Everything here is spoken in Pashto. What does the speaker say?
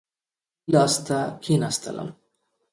ښي لاس ته کښېنستلم.